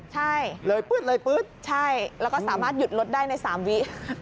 ใช่ใช่แล้วก็สามารถหยุดรถได้ใน๓วิ